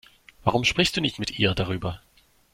Warum sprichst du nicht mit ihr darüber?